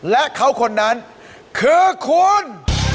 และเขาคนนั้นคือคุณ